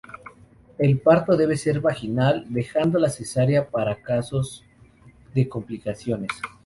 El parto debe ser vaginal, dejando la cesárea para casos de complicaciones.